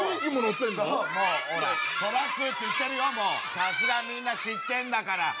さすがみんな知ってんだから。